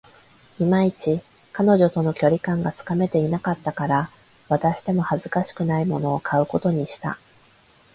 いまいち、彼女との距離感がつかめていなかったから、渡しても恥ずかしくないものを買うことにした